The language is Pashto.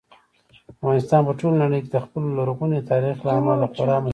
افغانستان په ټوله نړۍ کې د خپل لرغوني تاریخ له امله خورا مشهور دی.